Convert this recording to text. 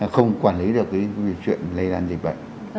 không quản lý được cái chuyện lây lan dịch vậy